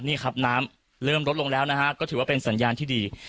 นี่ครับน้ำเริ่มลดลงแล้วนะฮะก็ถือว่าเป็นสัญญาณที่ดี